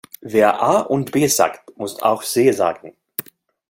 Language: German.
Wer A und B sagt, muss auch C sagen.